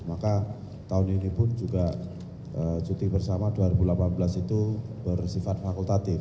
maka tahun ini pun juga cuti bersama dua ribu delapan belas itu bersifat fakultatif